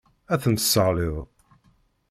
Ad tent-tesseɣliḍ.